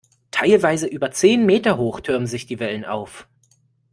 Teilweise über zehn Meter hoch türmen sich die Wellen auf.